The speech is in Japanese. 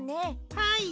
はい。